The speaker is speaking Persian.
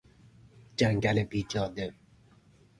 جنگل بی جاده